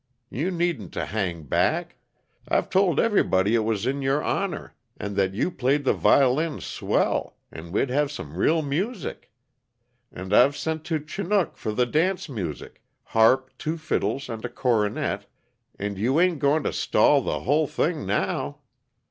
You needn't to hang back I've told everybody it was in your honor, and that you played the vi'lin swell, and we'd have some real music. And I've sent to Chinook for the dance music harp, two fiddles, and a coronet and you ain't going to stall the hull thing now.